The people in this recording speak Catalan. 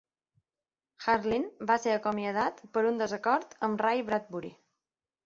Harlin va ser acomiadat per un desacord amb Ray Bradbury.